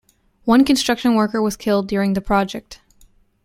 One construction worker was killed during the project.